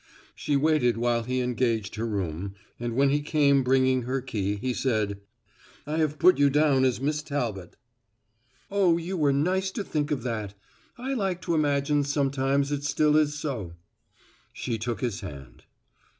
She waited while he engaged her room, and when he came bringing her key, he said, "I have put you down as Miss Talbot." "Oh, you were nice to think of that. I like to imagine sometimes it still is so." She took his hand.